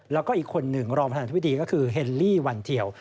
แล้วก็อีกคนหนึ่งรองประธานธิบดีก็คือเฮลลี่วันเทียว